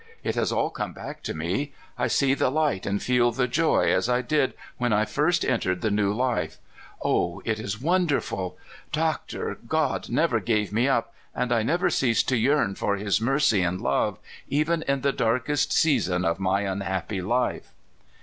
It has all come back to me. I see the light and feel the joy as I did when I first entered the new life. O it is wonderful ! Doctor, God never gave me up, and I never ceased to yearn for his mercy and love, even in the darkest season of my unhappy life."